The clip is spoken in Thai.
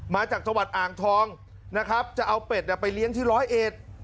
มาจากจังหวัดอ่างทองนะครับจะเอาเป็ดไปเลี้ยงที่ร้อยเอ็ด